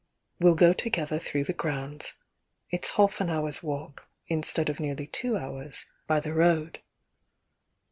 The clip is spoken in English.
We'll go to gether through the grounds, — it's half an hour's walk instead of nearly two hours by the road."